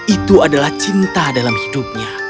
itu adalah cinta dalam hidupnya